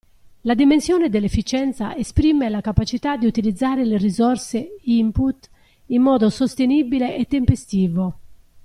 La dimensione dell'efficienza esprime la capacità di utilizzare le risorse (input) in modo sostenibile e tempestivo.